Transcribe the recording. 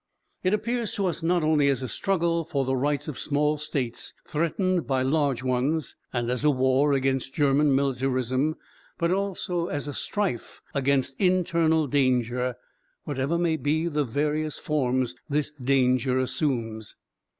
It appears to us not only as a struggle for the rights of small states threatened by large ones, and as a war against German militarism, but also as a strife against... internal danger, whatever may be the various forms this danger assumes.